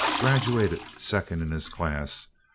Graduated second in his class.